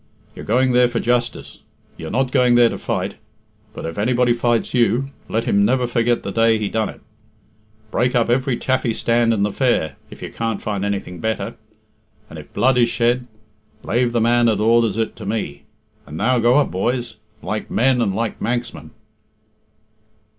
You're going there for justice. You're not going there to fight. But if anybody fights you, let him never forget the day he done it. Break up every taffy stand in the fair, if you can't find anything better. And if blood is shed, lave the man that orders it to me. And now go up, boys, like men and like Manxmen."